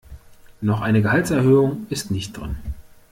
Noch eine Gehaltserhöhung ist nicht drin.